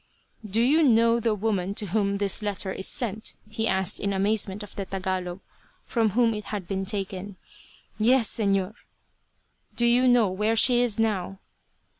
"Do you know the woman to whom this letter is sent? he asked in amazement of the Tagalog from whom it had been taken. "Yes Señor." "Do you know where she is now?"